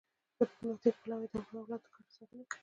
ډیپلوماتیک پلاوی د دولت د ګټو ساتنه کوي